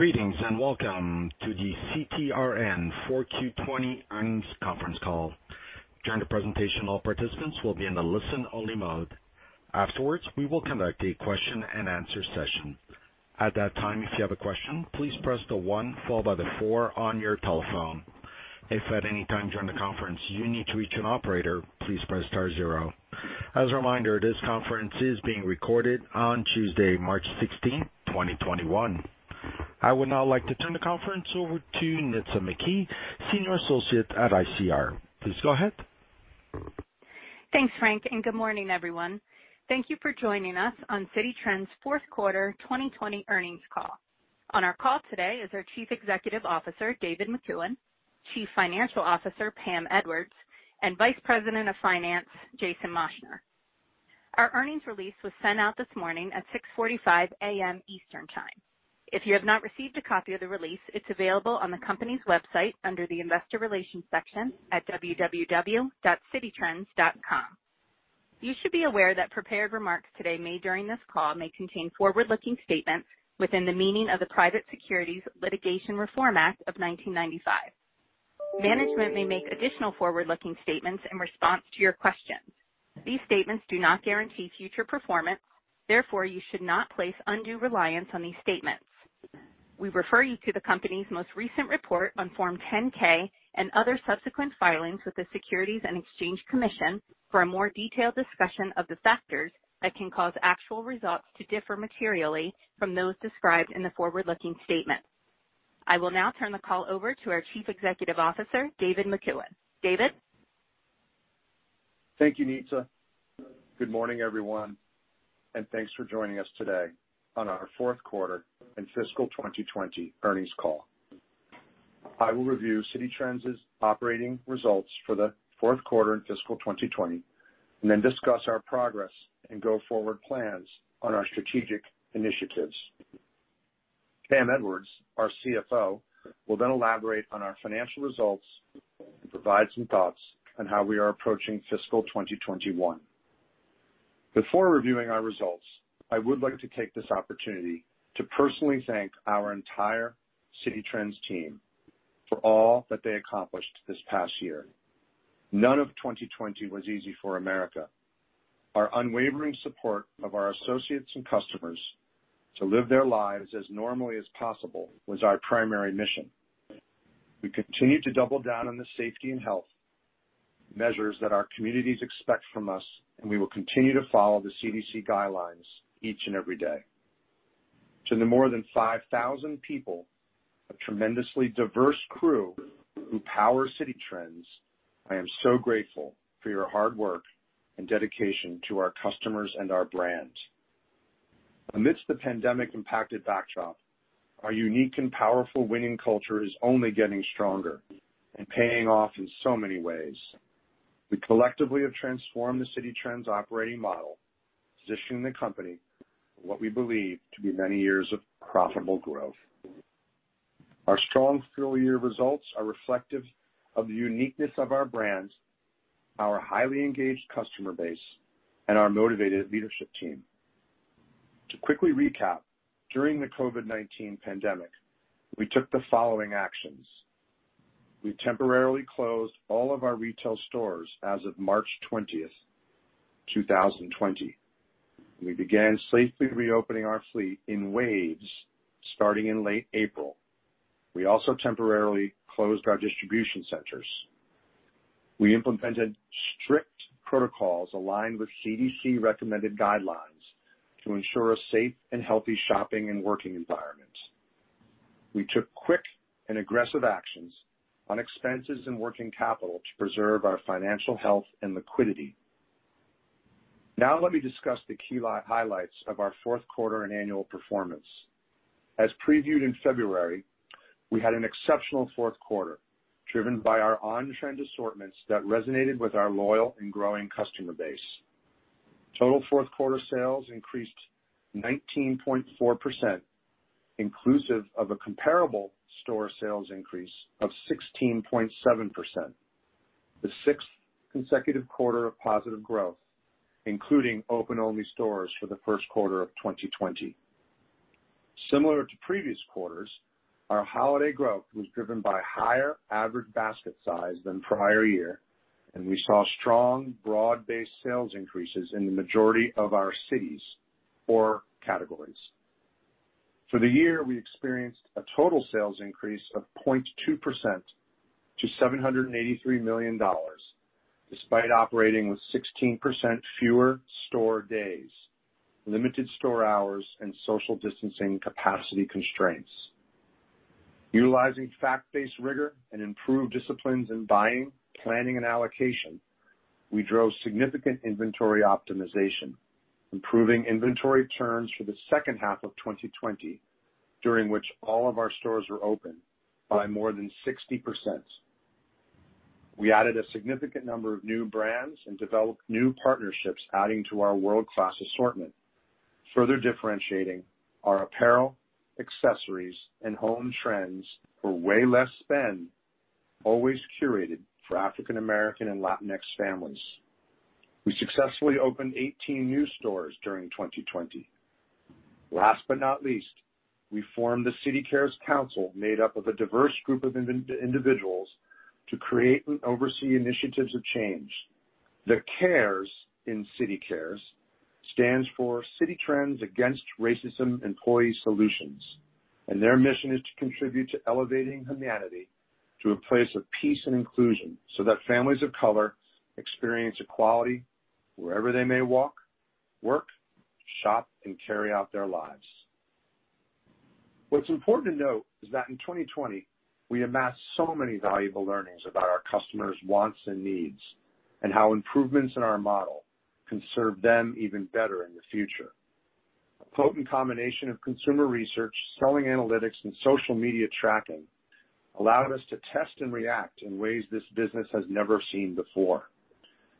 Greetings and welcome to the CTRN 4Q20 Earnings Conference Call. During the presentation, all participants will be in the listen-only mode. Afterwards, we will conduct a question-and-answer session. At that time, if you have a question, please press the one followed by the four on your telephone. If at any time during the conference you need to reach an operator, please press star zero. As a reminder, this conference is being recorded on Tuesday, March 16, 2021. I would now like to turn the conference over to Nitza McKee, Senior Associate at ICR. Please go ahead. Thanks Frank and good morning everyone. Thank you for joining us on Citi Trends Fourth Quarter 2020 Earnings Call. On our call today is our Chief Executive Officer, David McEwen, Chief Financial Officer, Pam Edwards, and Vice President of Finance, Jason Moschner. Our earnings release was sent out this morning at 6:45 A.M. Eastern Time. If you have not received a copy of the release, it's available on the company's website under the Investor Relations section at www.cititrends.com. You should be aware that prepared remarks today made during this call may contain forward-looking statements within the meaning of the Private Securities Litigation Reform Act of 1995. Management may make additional forward-looking statements in response to your questions. These statements do not guarantee future performance; therefore, you should not place undue reliance on these statements. We refer you to the company's most recent report on Form 10-K and other subsequent filings with the Securities and Exchange Commission for a more detailed discussion of the factors that can cause actual results to differ materially from those described in the forward-looking statement. I will now turn the call over to our Chief Executive Officer, David McEwen. David. Thank you Nitza. Good morning everyone and thanks for joining us today on our Fourth Quarter in Fiscal 2020 Earnings Call. I will review Citi Trends operating results for the fourth quarter in fiscal 2020, and then discuss our progress and go forward plans on our strategic initiatives. Pam Edwards, our CFO, will then elaborate on our financial results and provide some thoughts on how we are approaching fiscal 2021. Before reviewing our results, I would like to take this opportunity to personally thank our entire Citi Trends team for all that they accomplished this past year. None of 2020 was easy for America. Our unwavering support of our associates and customers to live their lives as normally as possible was our primary mission. We continue to double down on the safety and health measures that our communities expect from us, and we will continue to follow the CDC guidelines each and every day. To the more than 5,000 people, a tremendously diverse crew who power Citi Trends, I am so grateful for your hard work and dedication to our customers and our brand. Amidst the pandemic-impacted backdrop, our unique and powerful winning culture is only getting stronger and paying off in so many ways. We collectively have transformed the Citi Trends operating model, positioning the company for what we believe to be many years of profitable growth. Our strong full-year results are reflective of the uniqueness of our brand, our highly engaged customer base, and our motivated leadership team. To quickly recap, during the COVID-19 pandemic, we took the following actions. We temporarily closed all of our retail stores as of March 20, 2020. We began safely reopening our fleet in waves starting in late April. We also temporarily closed our distribution centers. We implemented strict protocols aligned with CDC-recommended guidelines to ensure a safe and healthy shopping and working environment. We took quick and aggressive actions on expenses and working capital to preserve our financial health and liquidity. Now, let me discuss the key highlights of our fourth quarter and annual performance. As previewed in February, we had an exceptional fourth quarter driven by our on-trend assortments that resonated with our loyal and growing customer base. Total fourth quarter sales increased 19.4%, inclusive of a comparable store sales increase of 16.7%. The sixth consecutive quarter of positive growth, including open-only stores for the first quarter of 2020. Similar to previous quarters, our holiday growth was driven by higher average basket size than prior year, and we saw strong broad-based sales increases in the majority of our cities or categories. For the year, we experienced a total sales increase of 0.2% to $783 million, despite operating with 16% fewer store days, limited store hours, and social distancing capacity constraints. Utilizing fact-based rigor and improved disciplines in buying, planning, and allocation, we drove significant inventory optimization, improving inventory turns for the second half of 2020, during which all of our stores were open by more than 60%. We added a significant number of new brands and developed new partnerships, adding to our world-class assortment, further differentiating our apparel, accessories, and home trends for way less spend, always curated for African American and Latinx families. We successfully opened 18 new stores during 2020. Last but not least, we formed the Citi Cares Council, made up of a diverse group of individuals, to create and oversee initiatives of change. The Cares in Citi Cares stands for Citi Trends Against Racism Employee Solutions, and their mission is to contribute to elevating humanity to a place of peace and inclusion so that families of color experience equality wherever they may walk, work, shop, and carry out their lives. What's important to note is that in 2020, we amassed so many valuable learnings about our customers' wants and needs and how improvements in our model can serve them even better in the future. A potent combination of consumer research, selling analytics, and social media tracking allowed us to test and react in ways this business has never seen before.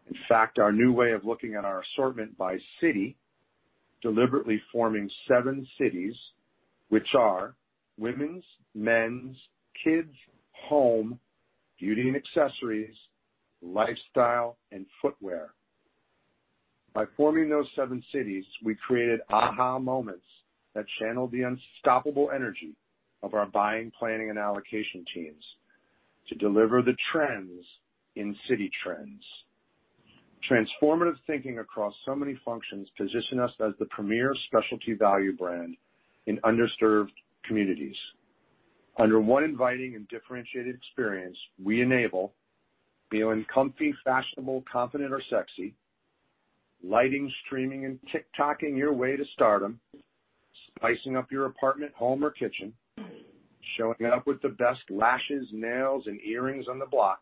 In fact our new way of looking at our assortment by city deliberately forming seven cities, which are womens, mens, kids, home, beauty and accessories, lifestyle, and footwear. By forming those seven cities, we created aha moments that channeled the unstoppable energy of our buying, planning, and allocation teams to deliver the trends in Citi Trends. Transformative thinking across so many functions positioned us as the premier specialty value brand in underserved communities. Under one inviting and differentiated experience, we enable feeling comfy, fashionable, confident or sexy, lighting, streaming and TikToking your way to stardom, spicing up your apartment, home, or kitchen, showing up with the best lashes, nails, and earrings on the block,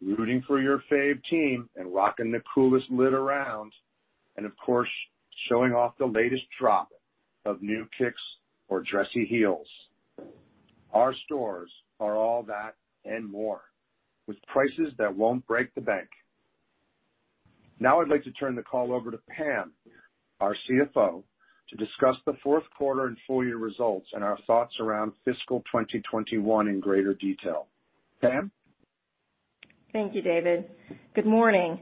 rooting for your fave team, and rocking the coolest lit around and of course, showing off the latest drop of new kicks or dressy heels. Our stores are all that and more with prices that won't break the bank. Now, I'd like to turn the call over to Pam, our CFO, to discuss the fourth quarter and full-year results and our thoughts around fiscal 2021 in greater detail. Pam? Thank you David. Good morning.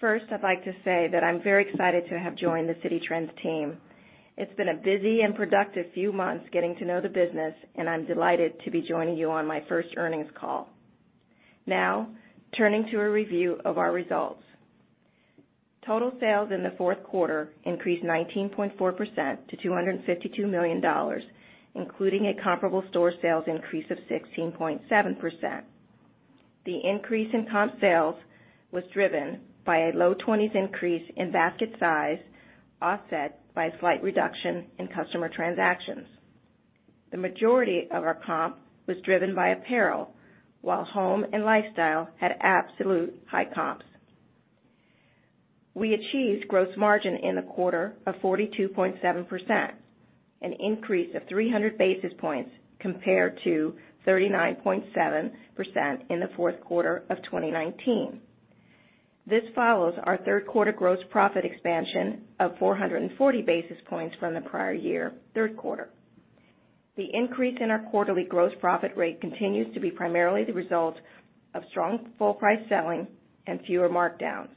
First, I'd like to say that I'm very excited to have joined the Citi Trends team. It's been a busy and productive few months getting to know the business, and I'm delighted to be joining you on my first earnings call. Now, turning to a review of our results. Total sales in the fourth quarter increased 19.4% to $252 million, including a comparable store sales increase of 16.7%. The increase in comp sales was driven by a low 20s increase in basket size offset by a slight reduction in customer transactions. The majority of our comp was driven by apparel, while home and lifestyle had absolute high comps. We achieved gross margin in the quarter of 42.7%, an increase of 300 basis points compared to 39.7% in the fourth quarter of 2019. This follows our third quarter gross profit expansion of 440 basis points from the prior year third quarter. The increase in our quarterly gross profit rate continues to be primarily the result of strong full-price selling and fewer markdowns.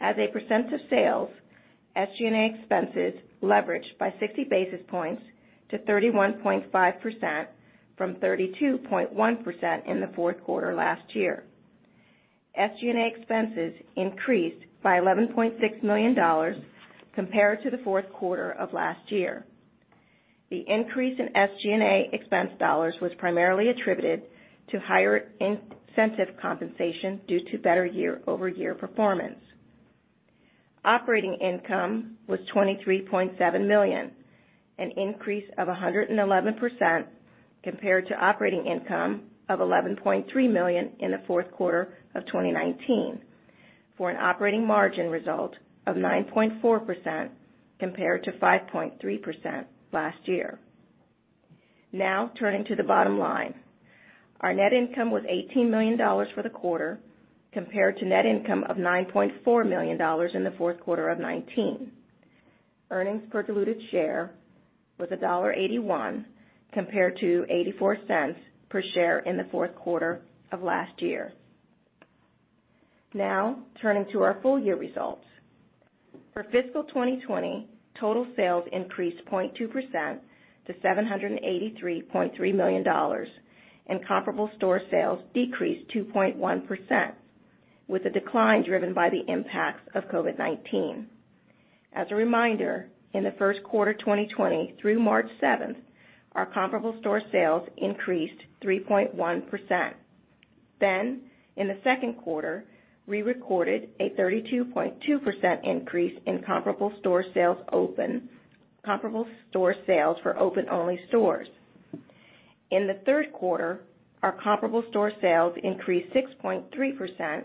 As a percent of sales, SG&A expenses leveraged by 60 basis points to 31.5% from 32.1% in the fourth quarter last year. SG&A expenses increased by $11.6 million compared to the fourth quarter of last year. The increase in SG&A expense dollars was primarily attributed to higher incentive compensation due to better year-over-year performance. Operating income was $23.7 million, an increase of 111% compared to operating income of $11.3 million in the fourth quarter of 2019, for an operating margin result of 9.4% compared to 5.3% last year. Now, turning to the bottom line, our net income was $18 million for the quarter compared to net income of $9.4 million in the fourth quarter of 2019. Earnings per diluted share was $1.81 compared to $0.84 per share in the fourth quarter of last year. Now, turning to our full-year results. For fiscal 2020, total sales increased 0.2% to $783.3 million, and comparable store sales decreased 2.1%, with a decline driven by the impacts of COVID-19. As a reminder, in the first quarter 2020 through March 7th, our comparable store sales increased 3.1%. In the second quarter, we recorded a 32.2% increase in comparable store sales for open-only stores. In the third quarter, our comparable store sales increased 6.3%.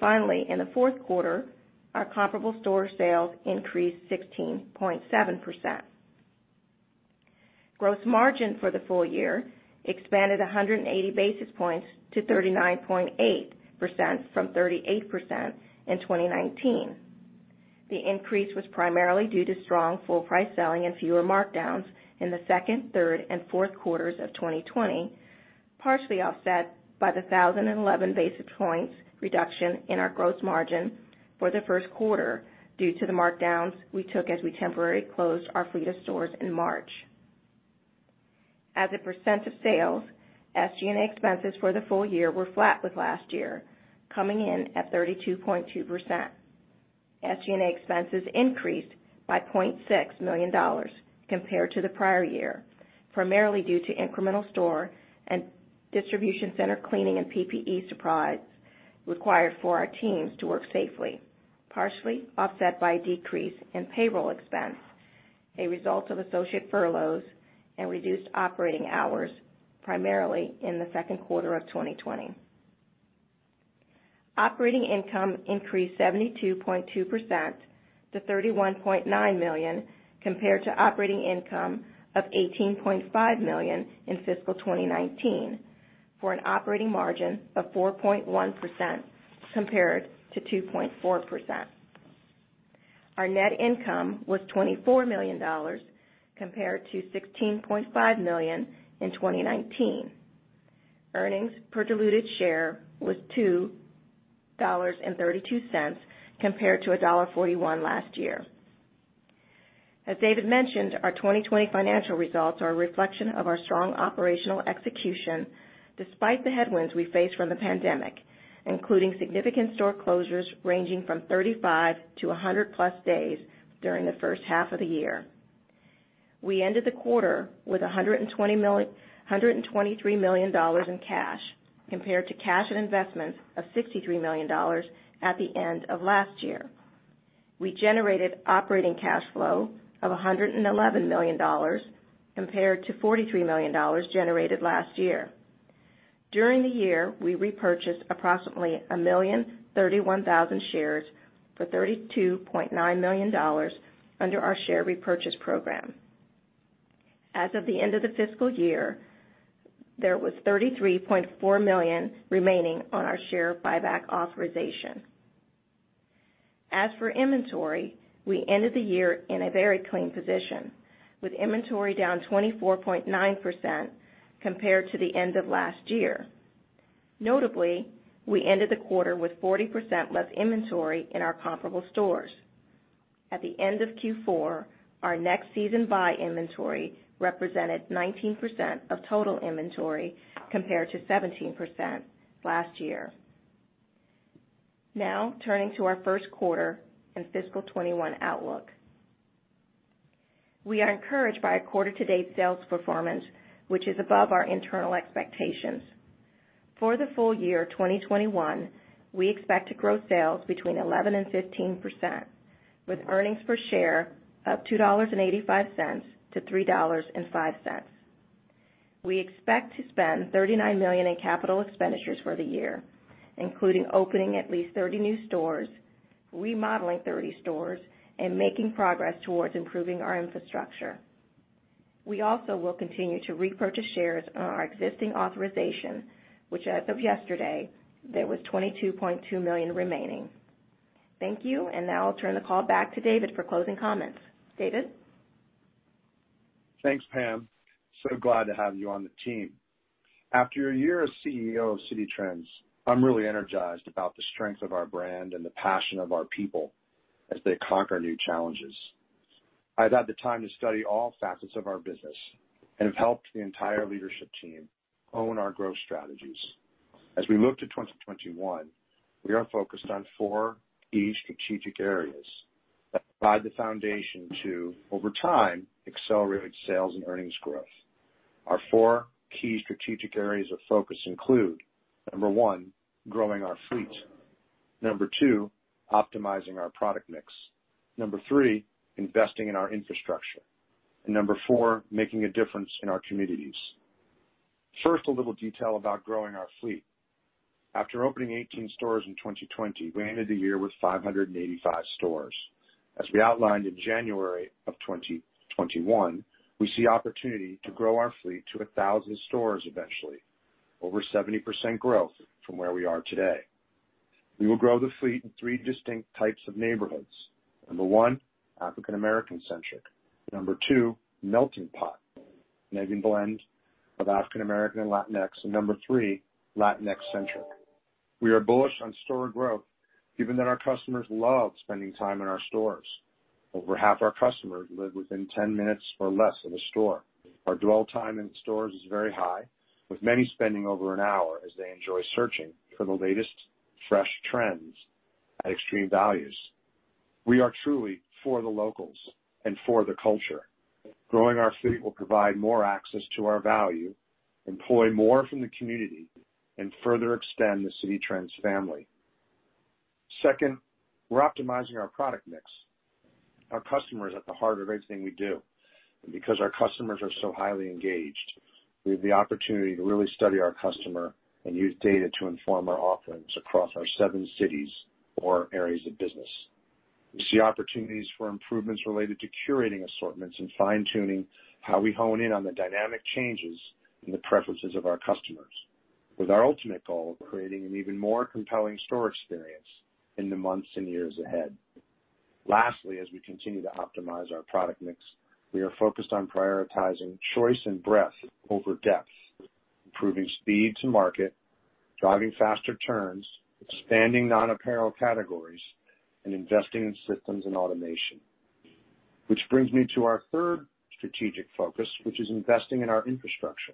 Finally, in the fourth quarter, our comparable store sales increased 16.7%. Gross margin for the full year expanded 180 basis points to 39.8% from 38% in 2019. The increase was primarily due to strong full-price selling and fewer markdowns in the second, third and fourth quarters of 2020, partially offset by the 1,011 basis points reduction in our gross margin for the first quarter due to the markdowns we took as we temporarily closed our fleet of stores in March. As a percent of sales, SG&A expenses for the full year were flat with last year, coming in at 32.2%. SG&A expenses increased by $0.6 million compared to the prior year, primarily due to incremental store and distribution center cleaning and PPE supplies required for our teams to work safely, partially offset by a decrease in payroll expense, a result of associate furloughs and reduced operating hours, primarily in the second quarter of 2020. Operating income increased 72.2% to $31.9 million compared to operating income of $18.5 million in fiscal 2019, for an operating margin of 4.1% compared to 2.4%. Our net income was $24 million compared to $16.5 million in 2019. Earnings per diluted share was $2.32 compared to $1.41 last year. As David mentioned, our 2020 financial results are a reflection of our strong operational execution despite the headwinds we faced from the pandemic, including significant store closures ranging from 35-100-plus days during the first half of the year. We ended the quarter with $123 million in cash compared to cash and investments of $63 million at the end of last year. We generated operating cash flow of $111 million compared to $43 million generated last year. During the year, we repurchased approximately 1,031,000 shares for $32.9 million under our share repurchase program. As of the end of the fiscal year, there was $33.4 million remaining on our share buyback authorization. As for inventory, we ended the year in a very clean position, with inventory down 24.9% compared to the end of last year. Notably, we ended the quarter with 40% less inventory in our comparable stores. At the end of Q4, our next season buy inventory represented 19% of total inventory compared to 17% last year. Now, turning to our first quarter and fiscal 2021 outlook. We are encouraged by quarter-to-date sales performance, which is above our internal expectations. For the full year 2021, we expect to grow sales between 11-15%, with earnings per share of $2.85-$3.05. We expect to spend $39 million in capital expenditures for the year, including opening at least 30 new stores, remodeling 30 stores, and making progress towards improving our infrastructure. We also will continue to repurchase shares on our existing authorization, which as of yesterday, there was $22.2 million remaining. Thank you, and now I'll turn the call back to David for closing comments. David? Thanks Pam. So glad to have you on the team. After a year as CEO of Citi Trends, I'm really energized about the strength of our brand and the passion of our people as they conquer new challenges. I've had the time to study all facets of our business and have helped the entire leadership team own our growth strategies. As we look to 2021, we are focused on four key strategic areas that provide the foundation to, over time, accelerate sales and earnings growth. Our four key strategic areas of focus include, number one, growing our fleet. Number two, optimizing our product mix. Number three, investing in our infrastructure. Number four, making a difference in our communities. First, a little detail about growing our fleet. After opening 18 stores in 2020, we ended the year with 585 stores. As we outlined in January of 2021, we see opportunity to grow our fleet to 1,000 stores eventually, over 70% growth from where we are today. We will grow the fleet in three distinct types of neighborhoods. Number one, African American centric. Number two, melting pot, maybe a blend of African American and Latinx. Number three, Latinx centric. We are bullish on store growth, given that our customers love spending time in our stores. Over half our customers live within 10 minutes or less of a store. Our dwell time in stores is very high, with many spending over an hour as they enjoy searching for the latest fresh trends at extreme values. We are truly for the locals and for the culture. Growing our fleet will provide more access to our value, employ more from the community, and further extend the Citi Trends family. Second, we're optimizing our product mix. Our customer is at the heart of everything we do. Because our customers are so highly engaged, we have the opportunity to really study our customer and use data to inform our offerings across our seven cities or areas of business. We see opportunities for improvements related to curating assortments and fine-tuning how we hone in on the dynamic changes in the preferences of our customers, with our ultimate goal of creating an even more compelling store experience in the months and years ahead. Lastly, as we continue to optimize our product mix, we are focused on prioritizing choice and breadth over depth, improving speed to market, driving faster turns, expanding non-apparel categories, and investing in systems and automation, which brings me to our third strategic focus, which is investing in our infrastructure.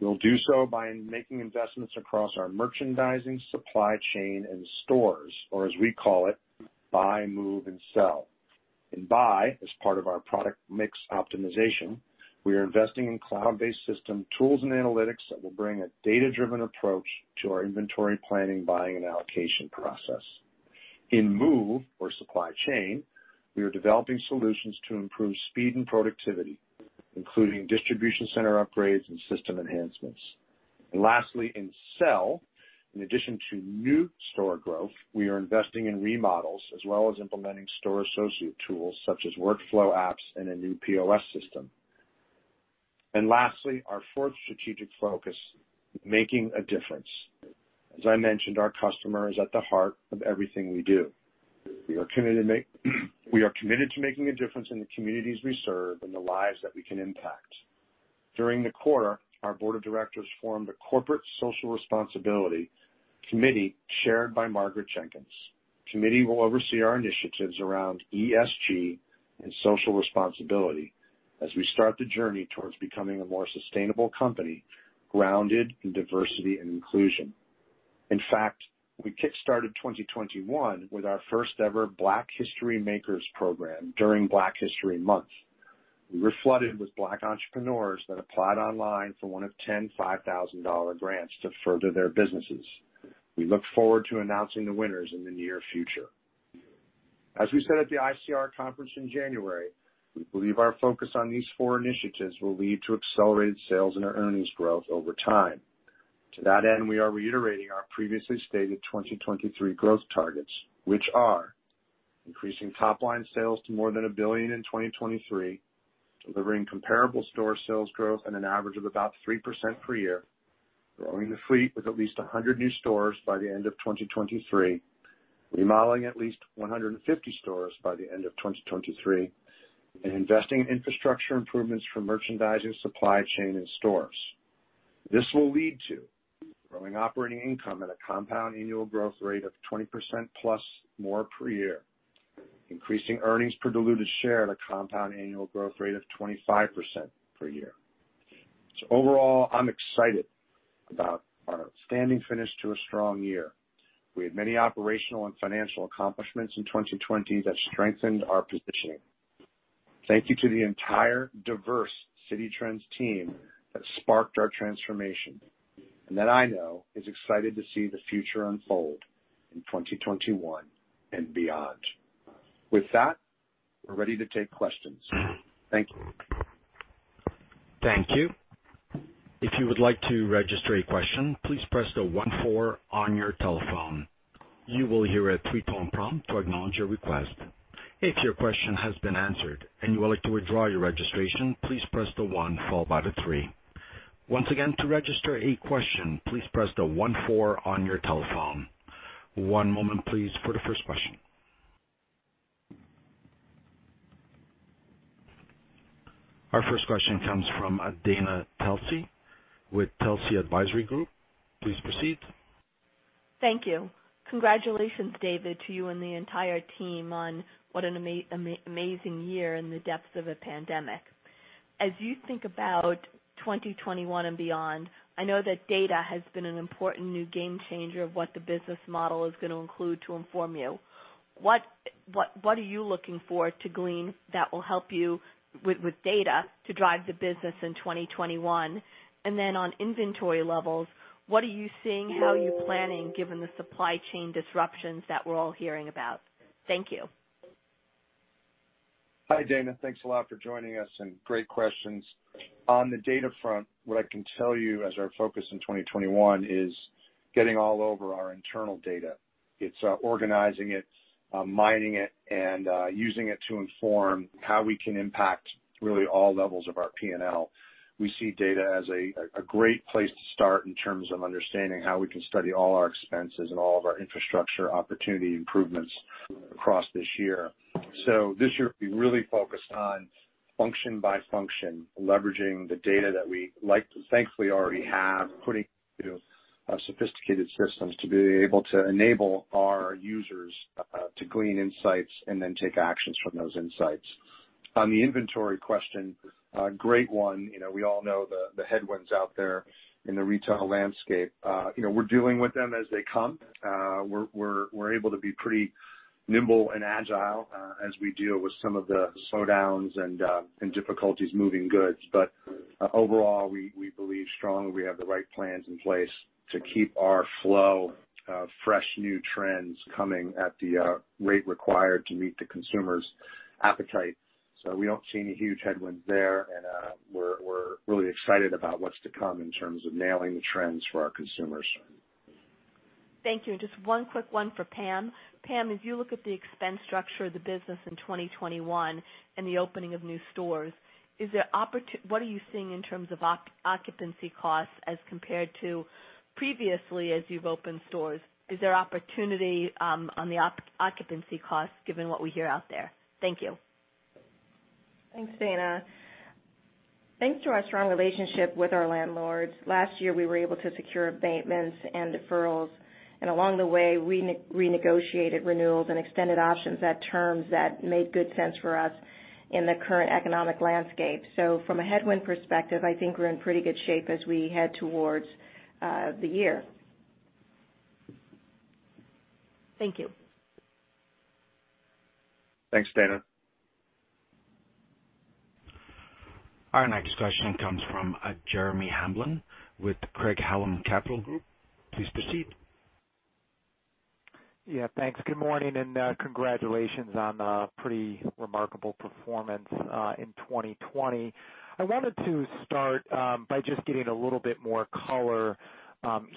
We'll do so by making investments across our merchandising, supply chain and stores or as we call it, buy, move, and sell. In buy, as part of our product mix optimization, we are investing in cloud-based system tools and analytics that will bring a data-driven approach to our inventory planning, buying, and allocation process. In move, or supply chain, we are developing solutions to improve speed and productivity, including distribution center upgrades and system enhancements. Lastly, in sell, in addition to new store growth, we are investing in remodels as well as implementing store associate tools such as workflow apps and a new POS system. Lastly, our fourth strategic focus, making a difference. As I mentioned, our customer is at the heart of everything we do. We are committed to making a difference in the communities we serve and the lives that we can impact. During the quarter, our board of directors formed a corporate social responsibility committee chaired by Margaret Jenkins. The committee will oversee our initiatives around ESG and social responsibility as we start the journey towards becoming a more sustainable company grounded in diversity and inclusion. In fact, we kickstarted 2021 with our first-ever Black History Makers program during Black History Month. We were flooded with Black entrepreneurs that applied online for one of 10 $5,000 grants to further their businesses. We look forward to announcing the winners in the near future. As we said at the ICR Conference in January, we believe our focus on these four initiatives will lead to accelerated sales and our earnings growth over time. To that end, we are reiterating our previously stated 2023 growth targets, which are increasing top-line sales to more than a billion in 2023, delivering comparable store sales growth at an average of about 3% per year, growing the fleet with at least 100 new stores by the end of 2023, remodeling at least 150 stores by the end of 2023, and investing in infrastructure improvements for merchandising, supply chain, and stores. This will lead to growing operating income at a compound annual growth rate of 20% plus more per year, increasing earnings per diluted share at a compound annual growth rate of 25% per year. Overall, I'm excited about our standing finish to a strong year. We had many operational and financial accomplishments in 2020 that strengthened our positioning. Thank you to the entire diverse Citi Trends team that sparked our transformation and that I know is excited to see the future unfold in 2021 and beyond. With that, we're ready to take questions. Thank you. Thank you. If you would like to register a question, please press the 1 on your telephone. You will hear a three-tone prompt to acknowledge your request. If your question has been answered and you would like to withdraw your registration, please press the one followed by the three. Once again, to register a question, please press the one on your telephone. One moment, please, for the first question. Our first question comes from Dana Telsey with Telsey Advisory Group. Please proceed. Thank you. Congratulations David to you and the entire team on what an amazing year in the depths of a pandemic. As you think about 2021 and beyond, I know that data has been an important new game changer of what the business model is going to include to inform you. What are you looking for to glean that will help you with data to drive the business in 2021? On inventory levels, what are you seeing, how are you planning given the supply chain disruptions that we're all hearing about? Thank you. Hi Dana. Thanks a lot for joining us and great questions. On the data front, what I can tell you is our focus in 2021 is getting all over our internal data. It's organizing it, mining it, and using it to inform how we can impact really all levels of our P&L. We see data as a great place to start in terms of understanding how we can study all our expenses and all of our infrastructure opportunity improvements across this year. This year, we really focused on function by function, leveraging the data that we like, thankfully, already have, putting it into sophisticated systems to be able to enable our users to glean insights and then take actions from those insights. On the inventory question, great one. We all know the headwinds out there in the retail landscape. We're dealing with them as they come. We're able to be pretty nimble and agile as we deal with some of the slowdowns and difficulties moving goods. Overall, we believe strongly we have the right plans in place to keep our flow of fresh new trends coming at the rate required to meet the consumer's appetite. We do not see any huge headwinds there, and we're really excited about what's to come in terms of nailing the trends for our consumers. Thank you. Just one quick one for Pam. Pam, as you look at the expense structure of the business in 2021 and the opening of new stores, what are you seeing in terms of occupancy costs as compared to previously as you've opened stores? Is there opportunity on the occupancy costs given what we hear out there? Thank you. Thanks Dana. Thanks to our strong relationship with our landlords. Last year, we were able to secure abatements and deferrals. Along the way, we renegotiated renewals and extended options at terms that made good sense for us in the current economic landscape. From a headwind perspective, I think we're in pretty good shape as we head towards the year. Thank you. Thanks, Dana. Our next question comes from Jeremy Hamblin with Craig-Hallum Capital Group. Please proceed. Yeah, thanks. Good morning and congratulations on a pretty remarkable performance in 2020. I wanted to start by just getting a little bit more color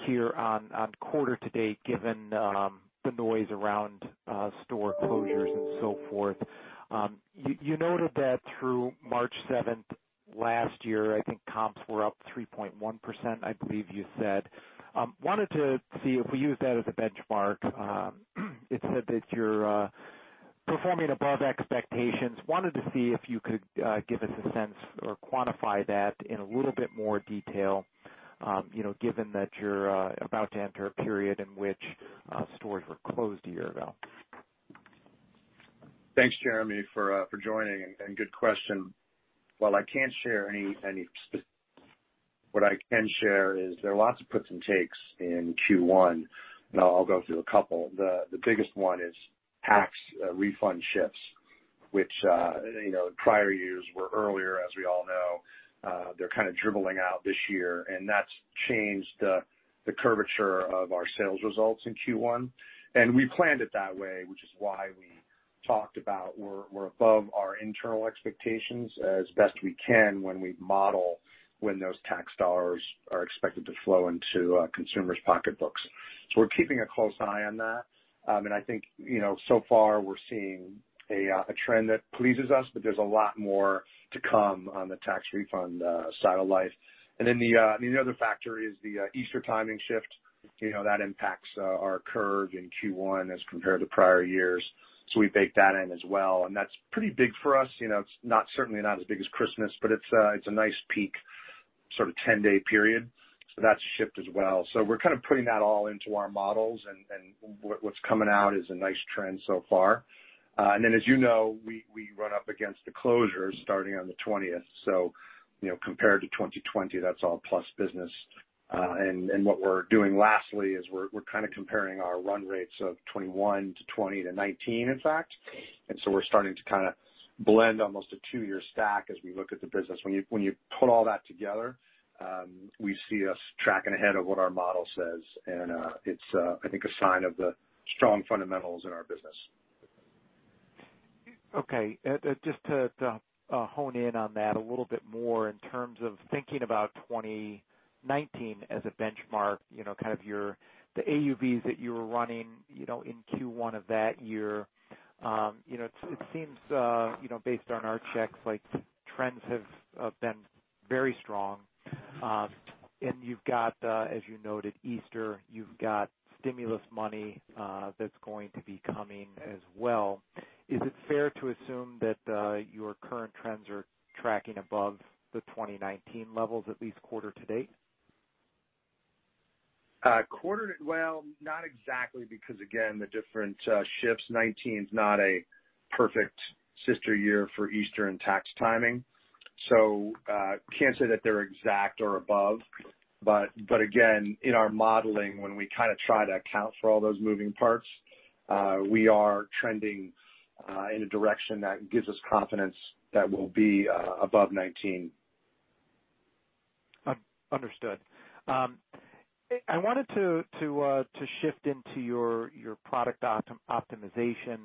here on quarter to date given the noise around store closures and so forth. You noted that through March 7 last year, I think comps were up 3.1%, I believe you said. Wanted to see if we use that as a benchmark. It said that you're performing above expectations. Wanted to see if you could give us a sense or quantify that in a little bit more detail given that you're about to enter a period in which stores were closed a year ago? Thanks Jeremy for joining and good question. While I can't share any specifics, what I can share is there are lots of puts and takes in Q1, and I'll go through a couple. The biggest one is tax refund shifts, which in prior years were earlier, as we all know. They're kind of dribbling out this year, and that's changed the curvature of our sales results in Q1. We planned it that way, which is why we talked about we're above our internal expectations as best we can when we model when those tax dollars are expected to flow into consumers' pocketbooks. We're keeping a close eye on that. I think so far, we're seeing a trend that pleases us, but there's a lot more to come on the tax refund side of life. The other factor is the Easter timing shift. That impacts our curve in Q1 as compared to prior years. We baked that in as well. That is pretty big for us. It is certainly not as big as Christmas, but it is a nice peak, sort of 10-day period. That has shifted as well. We are kind of putting that all into our models, and what is coming out is a nice trend so far. As you know, we run up against the closures starting on the 20th. Compared to 2020, that is all plus business. What we are doing lastly is we are kind of comparing our run rates of 2021 to 2020 to 2019, in fact. We are starting to kind of blend almost a two-year stack as we look at the business. When you put all that together, we see us tracking ahead of what our model says. I think it's a sign of the strong fundamentals in our business. Okay. Just to hone in on that a little bit more in terms of thinking about 2019 as a benchmark, kind of the AUVs that you were running in Q1 of that year, it seems based on our checks, trends have been very strong. You have got, as you noted, Easter. You have got stimulus money that is going to be coming as well. Is it fair to assume that your current trends are tracking above the 2019 levels, at least quarter to date? Not exactly because again the different shifts. 2019 is not a perfect sister year for Easter and tax timing. I cannot say that they are exact or above. Again, in our modeling when we kind of try to account for all those moving parts, we are trending in a direction that gives us confidence that we will be above 2019. Understood. I wanted to shift into your product optimization.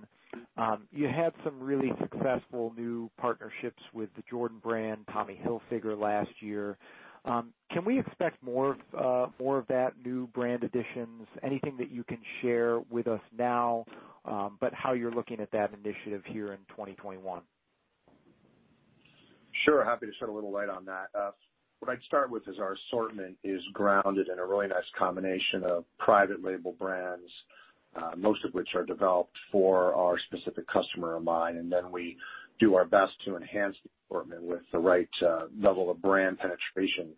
You had some really successful new partnerships with the Jordan brand, Tommy Hilfiger last year. Can we expect more of that new brand additions? Anything that you can share with us now, but how you're looking at that initiative here in 2021? Sure. Happy to shed a little light on that. What I'd start with is our assortment is grounded in a really nice combination of private label brands, most of which are developed for our specific customer in mind. We do our best to enhance the assortment with the right level of brand penetration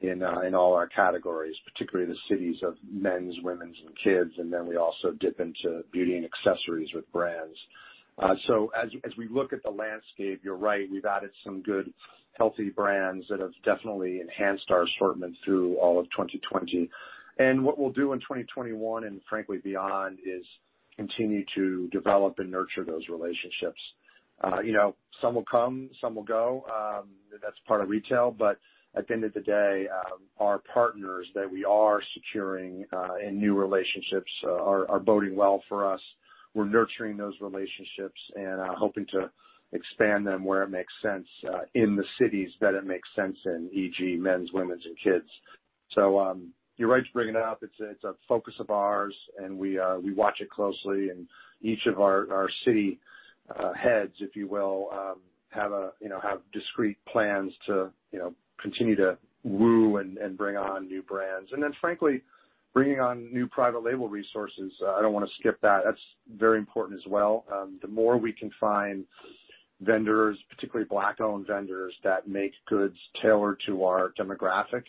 in all our categories, particularly the cities of men's, women's, and kids. We also dip into beauty and accessories with brands. As we look at the landscape, you're right. We've added some good, healthy brands that have definitely enhanced our assortment through all of 2020. What we'll do in 2021 and frankly beyond is continue to develop and nurture those relationships. Some will come, some will go. That's part of retail. At the end of the day, our partners that we are securing in new relationships are boding well for us. We're nurturing those relationships and hoping to expand them where it makes sense in the cities that it makes sense in, e.g., mens, womens, and kids. You're right to bring it up. It's a focus of ours, and we watch it closely. Each of our city heads, if you will, have discrete plans to continue to woo and bring on new brands. Frankly, bringing on new private label resources, I don't want to skip that. That's very important as well. The more we can find vendors, particularly Black-owned vendors that make goods tailored to our demographic,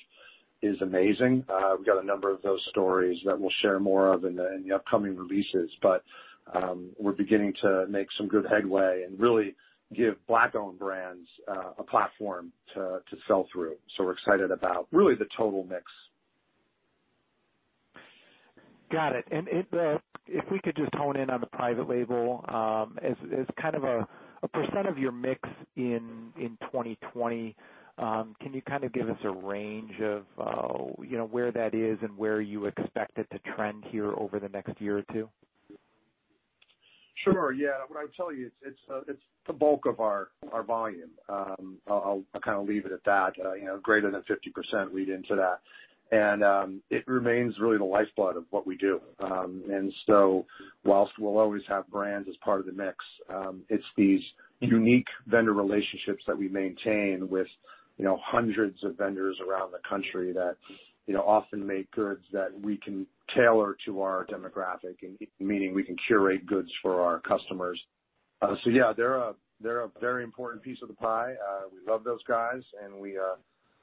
is amazing. We've got a number of those stories that we'll share more of in the upcoming releases. We're beginning to make some good headway and really give Black-owned brands a platform to sell through. So we're excited about really the total mix. Got it. If we could just hone in on the private label, as kind of a percent of your mix in 2020, can you kind of give us a range of where that is and where you expect it to trend here over the next year or two? Sure. Yeah. What I would tell you, it's the bulk of our volume. I'll kind of leave it at that. Greater than 50% lead into that. It remains really the lifeblood of what we do. Whilst we'll always have brands as part of the mix, it's these unique vendor relationships that we maintain with hundreds of vendors around the country that often make goods that we can tailor to our demographic, meaning we can curate goods for our customers. Yeah, they're a very important piece of the pie. We love those guys, and we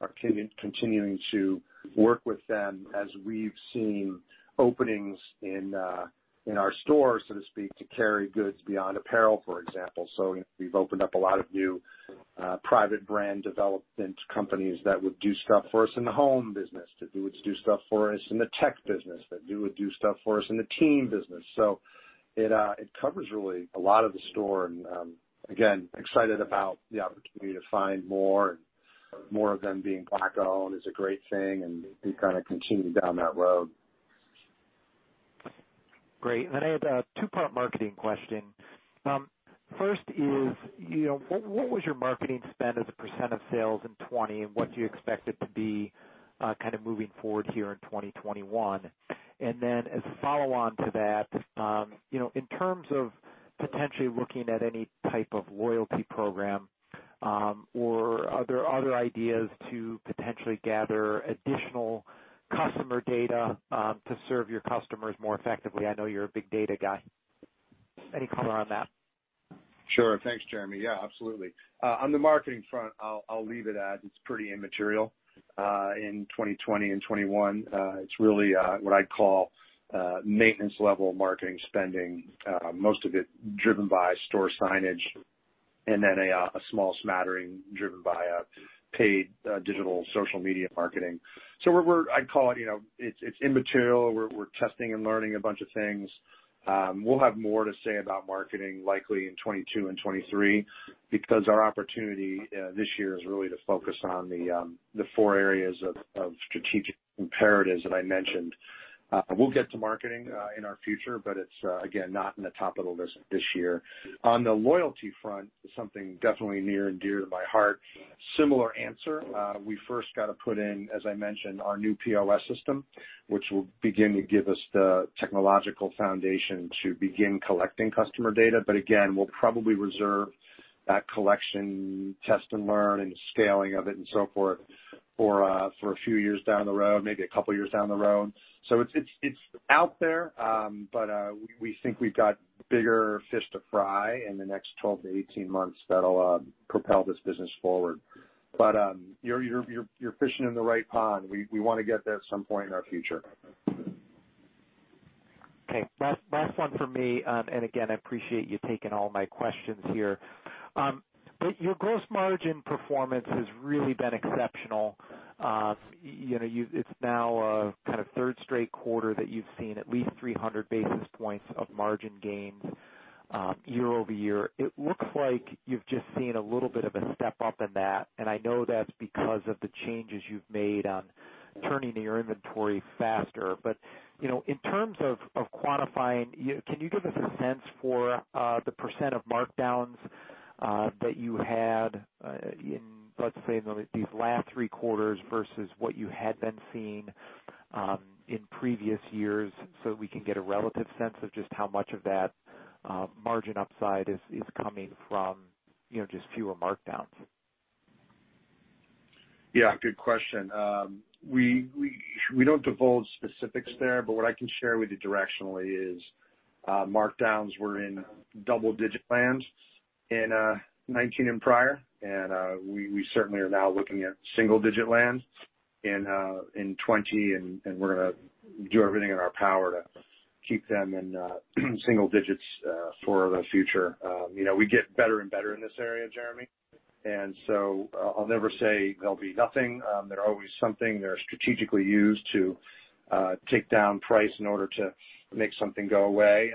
are continuing to work with them as we've seen openings in our stores, so to speak, to carry goods beyond apparel, for example. We've opened up a lot of new private brand development companies that would do stuff for us in the home business, that would do stuff for us in the tech business, that would do stuff for us in the team business. It covers really a lot of the store. Again, excited about the opportunity to find more. More of them being Black-owned is a great thing, and we kind of continue down that road. Great. I have a two-part marketing question. First is, what was your marketing spend as a percent of sales in 2020, and what do you expect it to be kind of moving forward here in 2021? As a follow-on to that, in terms of potentially looking at any type of loyalty program or other ideas to potentially gather additional customer data to serve your customers more effectively, I know you're a big data guy. Any color on that? Sure. Thanks Jeremy. Yeah, absolutely. On the marketing front, I'll leave it as it's pretty immaterial in 2020 and 2021. It's really what I'd call maintenance-level marketing spending, most of it driven by store signage and then a small smattering driven by paid digital social media marketing. I'd call it immaterial. We're testing and learning a bunch of things. We'll have more to say about marketing likely in 2022 and 2023 because our opportunity this year is really to focus on the four areas of strategic imperatives that I mentioned. We'll get to marketing in our future, but it's, again, not in the top of the list this year. On the loyalty front, something definitely near and dear to my heart, similar answer. We first got to put in, as I mentioned, our new POS system, which will begin to give us the technological foundation to begin collecting customer data. Again, we'll probably reserve that collection, test and learn, and scaling of it and so forth for a few years down the road, maybe a couple of years down the road. It is out there, but we think we've got bigger fish to fry in the next 12-18 months that'll propel this business forward. You're fishing in the right pond. We want to get there at some point in our future. Okay. Last one for me. Again, I appreciate you taking all my questions here. Your gross margin performance has really been exceptional. It's now kind of third straight quarter that you've seen at least 300 basis points of margin gains year over year. It looks like you've just seen a little bit of a step up in that. I know that's because of the changes you've made on turning to your inventory faster. In terms of quantifying, can you give us a sense for the percent of markdowns that you had in, let's say, these last three quarters versus what you had been seeing in previous years so that we can get a relative sense of just how much of that margin upside is coming from just fewer markdowns? Yeah. Good question. We don't divulge specifics there, but what I can share with you directionally is markdowns were in double-digit lands in 2019 and prior. We certainly are now looking at single-digit lands in 2020, and we're going to do everything in our power to keep them in single digits for the future. We get better and better in this area, Jeremy. I'll never say they'll be nothing. They're always something. They're strategically used to take down price in order to make something go away.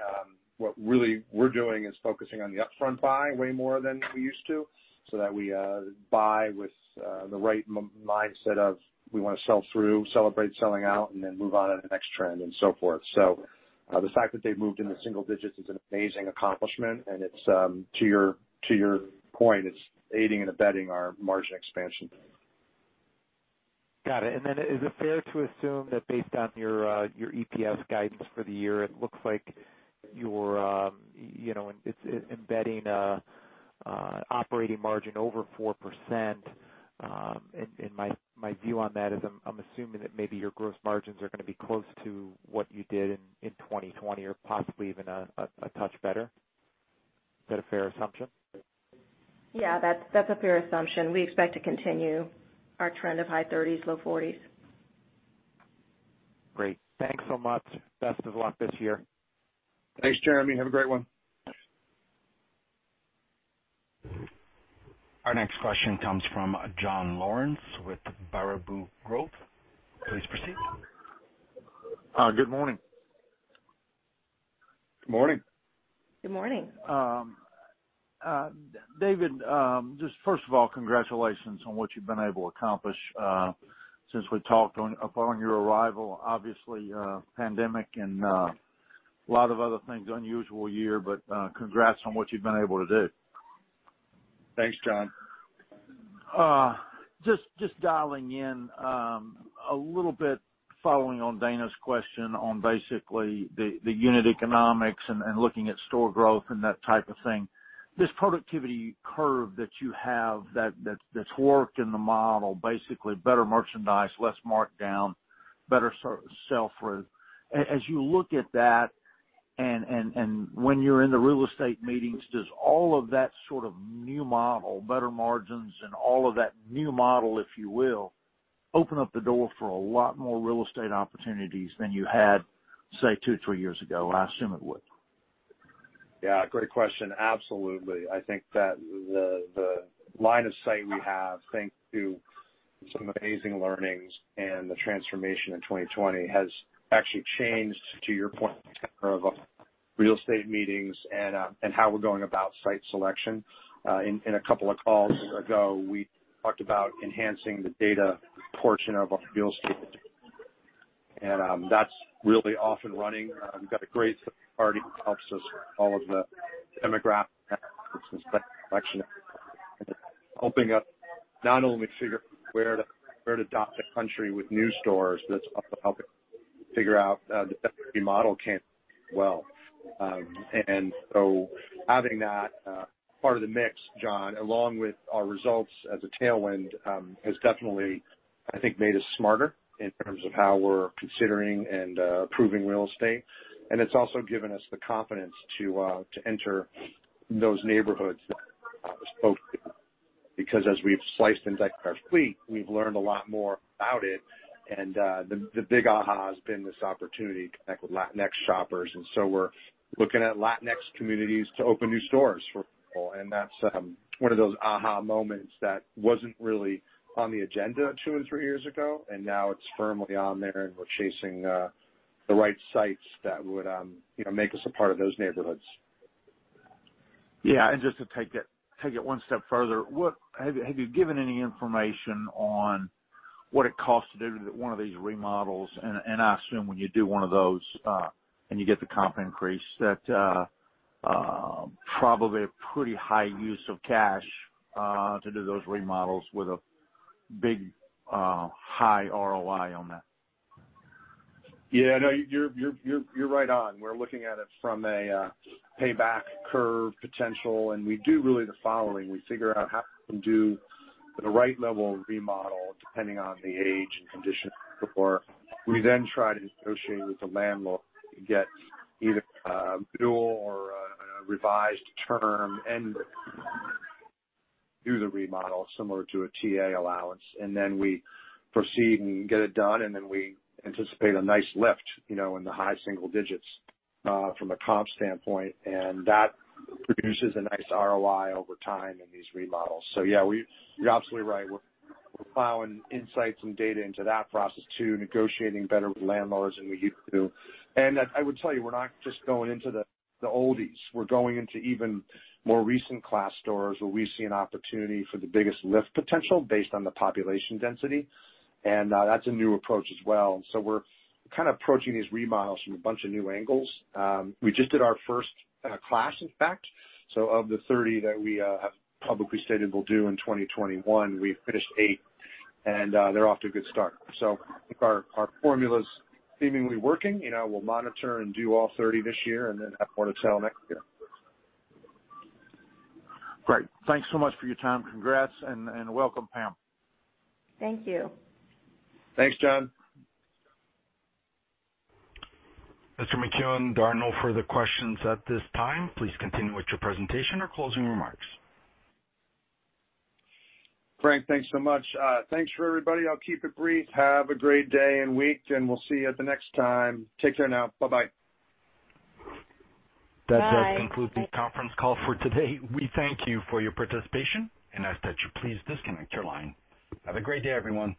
What really we're doing is focusing on the upfront buy way more than we used to so that we buy with the right mindset of we want to sell through, celebrate selling out, and then move on to the next trend and so forth. The fact that they've moved into single digits is an amazing accomplishment. To your point, it's aiding and abetting our margin expansion. Got it. Is it fair to assume that based on your EPS guidance for the year, it looks like you're embedding operating margin over 4%? My view on that is I'm assuming that maybe your gross margins are going to be close to what you did in 2020 or possibly even a touch better. Is that a fair assumption? Yeah. That's a fair assumption. We expect to continue our trend of high 30s, low 40s. Great. Thanks so much. Best of luck this year. Thanks Jeremy. Have a great one. Our next question comes from John Lawrence with Baraboo Growth. Please proceed. Good morning. Good morning. Good morning. David, just first of all, congratulations on what you've been able to accomplish since we talked upon your arrival. Obviously, pandemic and a lot of other things, unusual year, but congrats on what you've been able to do. Thanks John. Just dialing in a little bit following on Dana's question on basically the unit economics and looking at store growth and that type of thing. This productivity curve that you have that's worked in the model, basically better merchandise, less markdown, better sell-through. As you look at that and when you're in the real estate meetings, does all of that sort of new model, better margins, and all of that new model, if you will, open up the door for a lot more real estate opportunities than you had, say, two or three years ago? I assume it would. Yeah. Great question. Absolutely. I think that the line of sight we have, thanks to some amazing learnings and the transformation in 2020, has actually changed, to your point, of real estate meetings and how we're going about site selection. A couple of calls ago, we talked about enhancing the data portion of our real estate data. That's really off and running. We've got a great already helps us with all of the demographics and site selection. Opening up not only figure where to dot the country with new stores, but it's also helping figure out the best model can't do well. Having that part of the mix, John, along with our results as a tailwind, has definitely, I think, made us smarter in terms of how we're considering and approving real estate. It has also given us the confidence to enter those neighborhoods that we spoke to because as we have sliced and diced our fleet, we have learned a lot more about it. The big aha has been this opportunity to connect with Latinx shoppers. We are looking at Latinx communities to open new stores for people. That is one of those aha moments that was not really on the agenda two and three years ago, and now it is firmly on there, and we are chasing the right sites that would make us a part of those neighborhoods. Yeah. Just to take it one step further, have you given any information on what it costs to do one of these remodels? I assume when you do one of those and you get the comp increase, that is probably a pretty high use of cash to do those remodels with a big high ROI on that. Yeah. No, you're right on. We're looking at it from a payback curve potential. We do really the following. We figure out how to do the right level of remodel depending on the age and condition of the store. We then try to negotiate with the landlord to get either a dual or a revised term and do the remodel similar to a TA allowance. We proceed and get it done, and we anticipate a nice lift in the high single digits from a comp standpoint. That produces a nice ROI over time in these remodels. Yeah, you're absolutely right. We're plowing insights and data into that process too, negotiating better with landlords than we used to. I would tell you, we're not just going into the oldies. We're going into even more recent class stores where we see an opportunity for the biggest lift potential based on the population density. That's a new approach as well. We're kind of approaching these remodels from a bunch of new angles. We just did our first class, in fact. Of the 30 that we have publicly stated we'll do in 2021, we finished 8. They're off to a good start. I think our formula's seemingly working. We'll monitor and do all 30 this year and then have more to sell next year. Great. Thanks so much for your time. Congrats and welcome Pam. Thank you. Thanks John. Mr. McEwen, there are no further questions at this time. Please continue with your presentation or closing remarks. Frank, thanks so much. Thanks for everybody. I'll keep it brief. Have a great day and week, and we'll see you at the next time. Take care now. Bye-bye. That does conclude the conference call for today. We thank you for your participation. As I said, you're pleased disconnect your line. Have a great day, everyone.